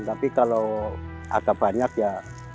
tapi kalau agak banyak ya